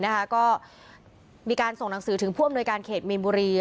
ก็มีการส่งหนังสือถึงผู้อำนวยการเขตมีนบุรี